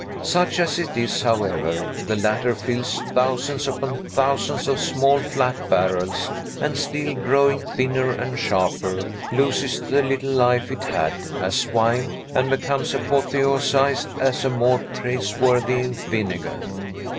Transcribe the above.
Such as it is, however, the latter fills thousands upon thousands of small, flat barrels, and, still growing thinner and sharper, loses the little life it had, as wine, and becomes apotheosized as a more praiseworthy vinegar.